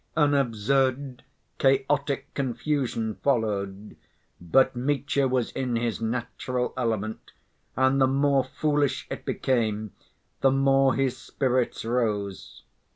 An absurd chaotic confusion followed, but Mitya was in his natural element, and the more foolish it became, the more his spirits rose.